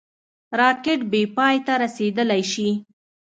راکټ بېپای ته رسېدلای شي